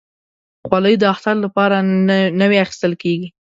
خولۍ د اختر لپاره نوي اخیستل کېږي.